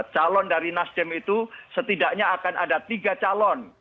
calon dari nasdem itu setidaknya akan ada tiga calon